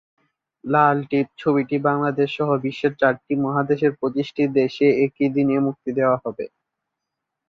লাল টিপ ছবিটি বাংলাদেশসহ বিশ্বের চারটি মহাদেশের পঁচিশটি দেশে একই দিনে মুক্তি দেয়া হবে।